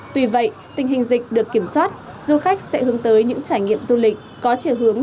tuy vậy tình hình dịch được kiểm soát du khách sẽ hướng tới những trải nghiệm du lịch có chiều hướng